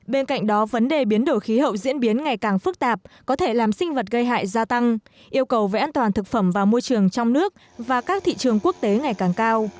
bên cạnh đó vấn đề biến đổi khí hậu diễn biến ngày càng phức tạp có thể làm sinh vật gây hại gia tăng yêu cầu về an toàn thực phẩm và môi trường trong nước và các thị trường quốc tế ngày càng cao